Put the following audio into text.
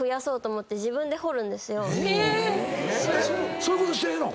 そういうことしてええの？